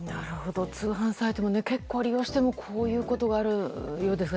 通販サイトを結構利用してもこういうことがあるようですが。